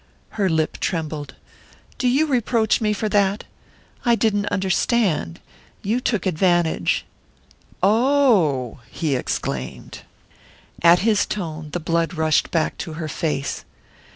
Her lip trembled. "Do you reproach me for that? I didn't understand...you took advantage...." "Oh!" he exclaimed. At his tone the blood rushed back to her face.